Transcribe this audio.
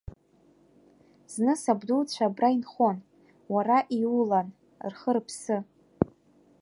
Зны сабдуцәа абра инхон, уара иулан рхы-рыԥсы.